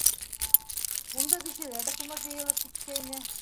Унда бисәләр ҙә күмәк йыйылып киткәйне.